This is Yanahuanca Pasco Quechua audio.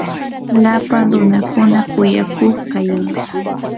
lapan runakuna kuyakuqi kayan.